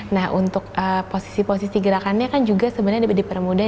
nah untuk posisi posisi gerakannya kan juga sebenarnya lebih mudah dengan diandaikan ya